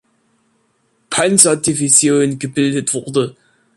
Panzer-Division gebildet wurde.